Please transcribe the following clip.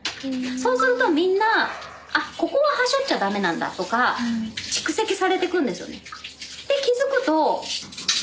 そうするとみんなあっここははしょっちゃダメなんだとか蓄積されてくんですよね。